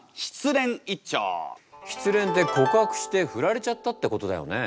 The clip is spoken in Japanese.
失恋って告白して振られちゃったってことだよね。